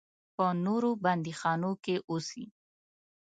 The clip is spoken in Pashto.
په نورو بندیخانو کې اوسي.